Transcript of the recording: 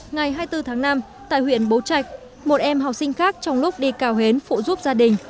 ngày hai mươi bốn tháng năm tại huyện bố trạch một em học sinh khác trong lúc đi cào hến phụ giúp gia đình